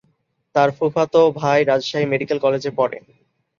তার ফুফাতো ভাই রাজশাহী মেডিকেল কলেজে পড়ে।